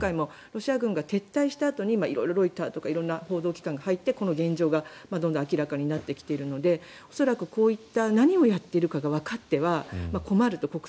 ロシア軍が撤退したあとにロイターとか色んな機関が入ってこの現状がどんどん明らかになってきているので恐らくこういった何をやっているかがわかっては困ると。